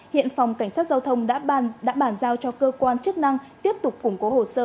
hiện phòng cảnh sát giao thông đã bàn giao cho cơ quan chức năng tiếp tục củng cố hồ sơ